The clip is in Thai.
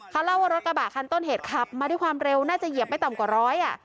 เขาเล่าว่ารถกระบะคันต้นเหตุขับมาด้วยความเร็วน่าจะเหยียบไม่ต่ำกว่าร้อยอ่ะ